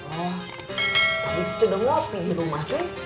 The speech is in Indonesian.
oh tapi suce udah mau pilih rumah cuy